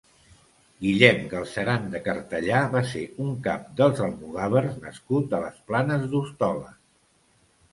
Guillem Galceran de Cartellà va ser un cap dels almogàvers nascut a les Planes d'Hostoles.